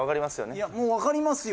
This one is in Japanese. いやもう分かりますよ